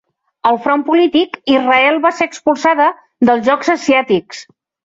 Al front polític, Israel va ser expulsada dels Jocs asiàtics.